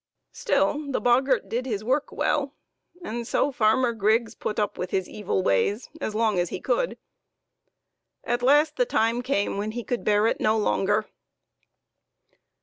Still the boggart did his work well, and so Farmer Griggs put up with his evil ways as long as he could. At last the time came when he could bear it no longer.